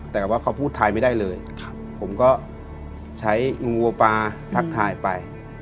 แต่ว่าเขาพูดทายไม่ได้เลยผมก็ใช้งูปลาทักทายไป